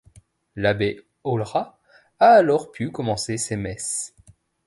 L'Abbé Aulra a alors pu commencer ses messes.